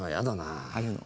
ああいうの。